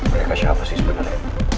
mereka siapa sih sebenarnya